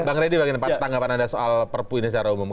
bang reddy bagaimana tanggapan anda soal perpu ini secara umum